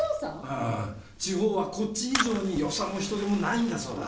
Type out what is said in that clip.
ああ地方はこっち以上に予算も人手もないんだそうだ。